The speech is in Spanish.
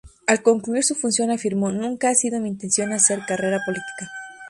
Al concluir su función afirmó: "Nunca ha sido mi intención hacer carrera política.